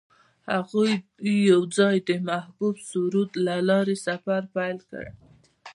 هغوی یوځای د محبوب سرود له لارې سفر پیل کړ.